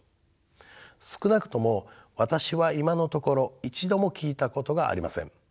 少なくとも私は今のところ一度も聞いたことがありません。